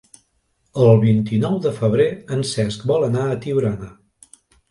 El vint-i-nou de febrer en Cesc vol anar a Tiurana.